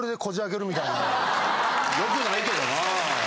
良くないけどな。